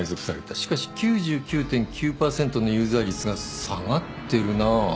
しかし９９．９％の有罪率が下がってるな。